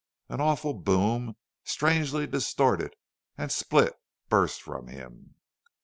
An awful boom, strangely distorted and split, burst from him.